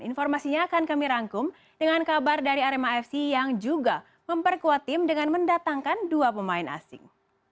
informasinya akan kami rangkum dengan kabar dari arema fc yang juga memperkuat tim dengan mendatangkan dua pemain asing